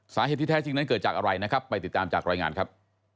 สาเหตุที่แท้จริงนั้นเกิดจากอะไรนะครับไปติดตามจากรายงานครับ